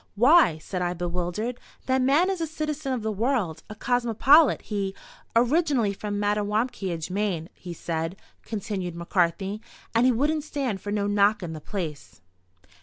"Why," said I, bewildered, "that man is a citizen of the world—a cosmopolite. He—" "Originally from Mattawamkeag, Maine, he said," continued McCarthy, "and he wouldn't stand for no knockin' the place."